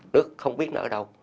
nước không biết nó ở đâu